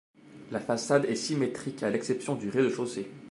La façade est symétrique à l'exception du rez-de-chaussée.